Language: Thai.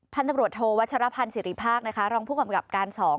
พันธบรวจโทวัชรภัณฑ์สิริภาคนะคะรองผู้กำกับการสอง